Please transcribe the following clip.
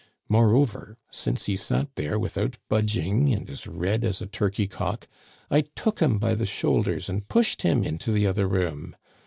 " More over, since he sat there without budging and as red as a turkey cock, I took him by the shoulders and pushed him into the other room.